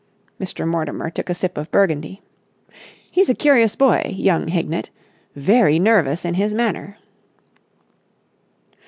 Mr. Mortimer took a sip of burgundy. "He's a curious boy, young Hignett. Very nervous in his manner."